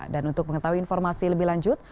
dan untuk mengetahui informasi lebih lanjut